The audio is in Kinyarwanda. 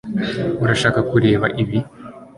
Urashaka kureba ibi